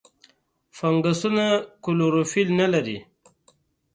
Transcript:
فنګسونه کلوروفیل نه لري.